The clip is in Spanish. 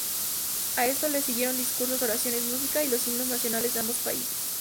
A esto le siguieron discursos, oraciones, música y los himnos nacionales de ambos países.